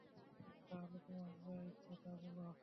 তাহলে তোমার যা ইচ্ছা তা বলো।